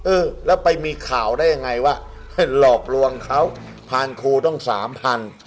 เออแล้วไปมีข่าวได้ยังไงว่าให้หลอกลวงเขาผ่านครูต้องสามพัน